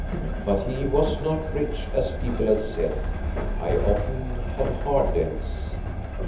But he was not rich, as people had said. I often had hard days.